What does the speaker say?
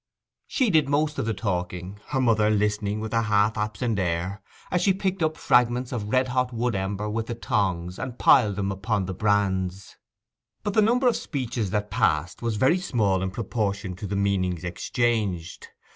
She did most of the talking, her mother listening with a half absent air, as she picked up fragments of red hot wood ember with the tongs, and piled them upon the brands. But the number of speeches that passed was very small in proportion to the meanings exchanged.